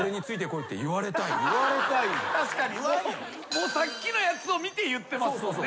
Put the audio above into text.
もうさっきのやつを見て言ってますもんね。